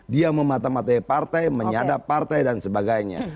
dia mematah matahi partai menyadap partai dan sebagainya